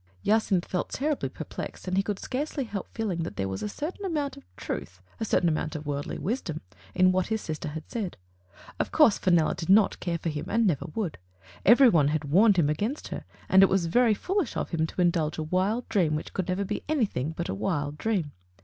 Jacynth felt terribly perplexed, and he could scarcely help feeling that there was a certain amount of truth — a certain amount of worldly wisdom — in what his sister had said. Of course Fenella did not care for him, and never would. Everyone had warned him against her, and it was very foolish of him to indulge a wild dream which could never be anything but a wild dream.